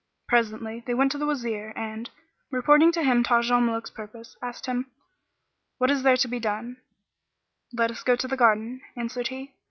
Presently, they went to the Wazir and, reporting to him Taj al Muluk's purpose, asked him, "What is to be done?" "Let us go to the garden," answered he.